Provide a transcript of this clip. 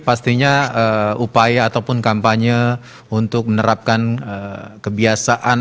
pastinya upaya ataupun kampanye untuk menerapkan kebiasaan